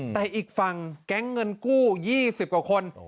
แต่อีกฝั่งแก๊งเงินกู้๒๐กว่าคน